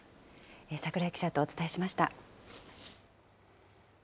櫻井記者とお伝えしました。